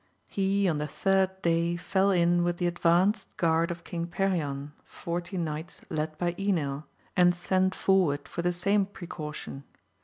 He on the third day fell in with the advanced guard of King Perion, forty knights led by Enil, and sent forward for the same precaution.